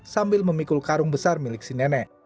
sambil memikul karung besar milik si nenek